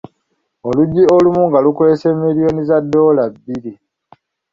Oluggi olumu nga lukwese milliyoni za ddoola bbiri.